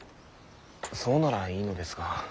そうならいいのですが。